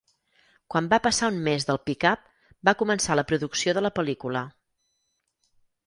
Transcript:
Quan va passar un mes del "pick-up", va començar la producció de la pel·lícula.